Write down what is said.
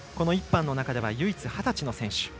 １班の中では唯一、二十歳の選手。